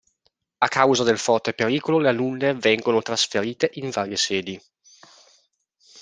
A causa del forte pericolo le alunne vengono trasferite in varie sedi.